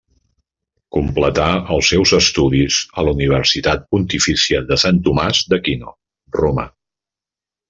Completà els seus estudis a la Universitat Pontifícia de Sant Tomàs d'Aquino, Roma.